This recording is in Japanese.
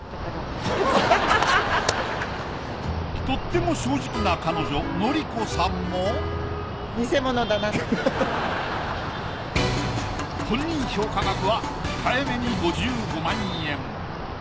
とっても正直な彼女紀子さんも本人評価額は控えめに５５万円。